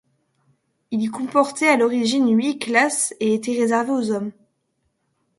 Il comportait à l'origine huit classes et était réservé aux hommes.